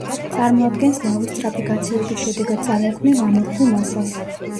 წარმოადგენს ლავის სწრაფი გაცივების შედეგად წარმოქმნილ ამორფულ მასას.